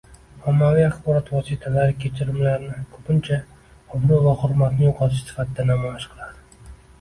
Ommaviy axborot vositalari kechirimlarni ko‘pincha obro‘ va hurmatni yo‘qotish sifatida namoyish qiladi.